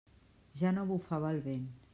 Ja no bufava el vent.